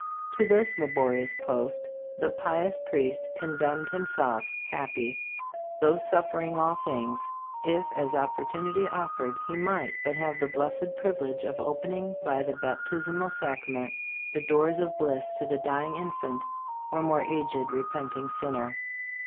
'* To this la borious post the pious priest condemned himself, happy, though suffering all things, if as opportunity offered he might but have the blessed privilege of opening by the baptismal sacrament "the doors of bliss to the dying infant or more aged repenting sinner."